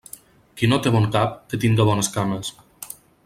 Qui no té bon cap, que tinga bones cames.